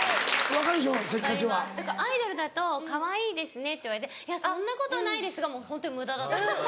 分かりますアイドルだと「かわいいですね」って言われて「そんなことないです」がもうホントに無駄だと思います。